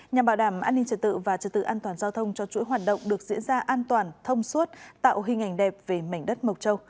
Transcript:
nhằm bảo đảm an ninh trật tự và trật tự an toàn giao thông cho chuỗi hoạt động được diễn ra an toàn thông suốt tạo hình ảnh đẹp về mảnh đất mộc châu